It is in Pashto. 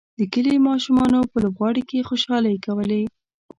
د کلي ماشومانو په لوبغالي کې خوشحالۍ کولې.